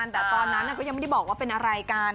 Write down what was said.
แต่ตอนนั้นก็ยังไม่ได้บอกว่าเป็นอะไรกัน